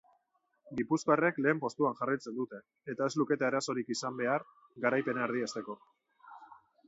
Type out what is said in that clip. Gipuzkoarrek lehen postuan jarraitzen dute eta ez lukete arazorik izan behar garaipena erdiesteko.